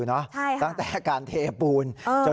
เชื่อเปิดกล้องวงจรปิดให้ดูด้วยนะ